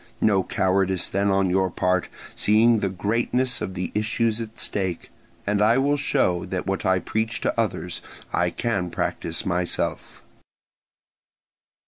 No cowardice then on your part, seeing the greatness of the issues at stake, and I will show that what I preach to others I can practise myself."